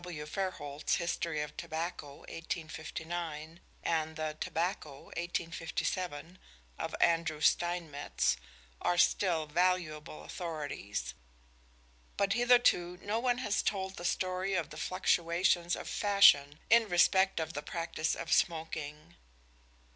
W. Fairholt's "History of Tobacco," 1859, and the "Tobacco" (1857) of Andrew Steinmetz, are still valuable authorities but hitherto no one has told the story of the fluctuations of fashion in respect of the practice of smoking.